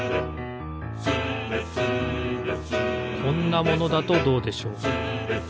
「スレスレ」こんなものだとどうでしょう？